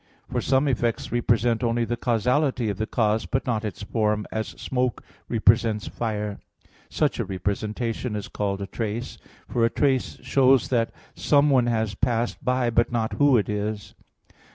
For some effects represent only the causality of the cause, but not its form; as smoke represents fire. Such a representation is called a "trace": for a trace shows that someone has passed by but not who it is.